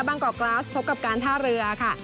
บังกอกกราซพบกับการท่าเรือค่ะ